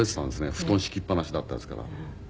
布団敷きっぱなしだったですから。